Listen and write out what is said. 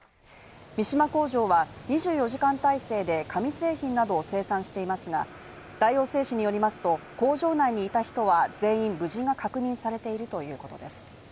三島工場は２４時間体制で紙製品などを生産していますが、大王製紙によりますと、工場内にいた人は全員無事が確認されているということです。